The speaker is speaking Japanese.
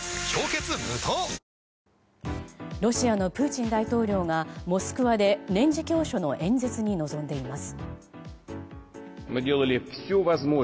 ロシアのプーチン大統領がモスクワで年次教書の演説に臨んでいます。